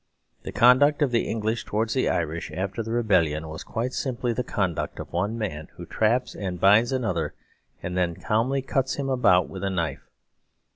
The conduct of the English towards the Irish after the Rebellion was quite simply the conduct of one man who traps and binds another, and then calmly cuts him about with a knife.